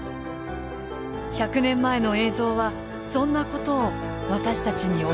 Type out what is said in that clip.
１００年前の映像はそんなことを私たちに教えてくれる。